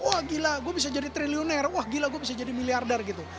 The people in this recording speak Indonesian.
wah gila gue bisa jadi triliuner wah gila gue bisa jadi miliarder gitu